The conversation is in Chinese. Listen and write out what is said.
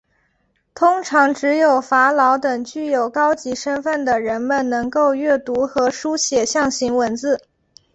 通常只有法老等具有高级身份的人们能够阅读和书写象形文字。